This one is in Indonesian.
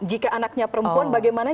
jika anaknya perempuan bagaimana